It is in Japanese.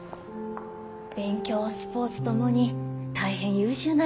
勉強スポーツ共に大変優秀なようで。